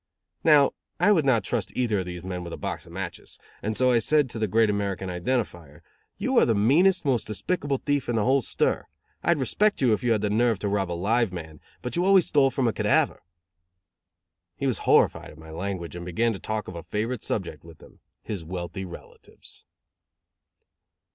Now, I would not trust either of those men with a box of matches; and so I said to the Great American Identifier: "You are the meanest, most despicable thief in the whole stir. I'd respect you if you had the nerve to rob a live man, but you always stole from a cadaver." He was horrified at my language and began to talk of a favorite subject with him his wealthy relatives.